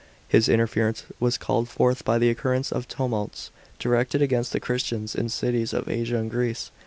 His interference was called forth by the occur rence of tumults, directed against the Christians in cities of Asia and Greece.